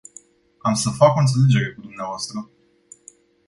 Am să fac o înțelegere cu dvs.